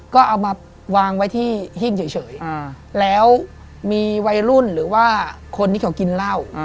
ก็เอามาวางไว้ที่หิ้งเฉยแล้วมีวัยรุ่นหรือว่าคนที่เขากินเหล้า